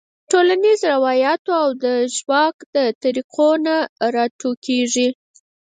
ټولنیزو رواياتو او د ژواک د طريقو نه راټوکيږي -